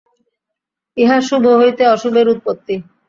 ইহা শুভ হইতে অশুভের উৎপত্তি।